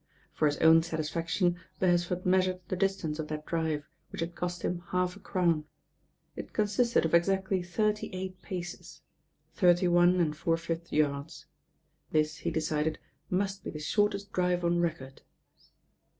For hit own satisfaction Beresford measured the distance of that drive, which had cost him half a crown. It consisted of exactly thirty ei^t paces, thirty one and four fifth yards. This, he decided, must be the shortest drive on record.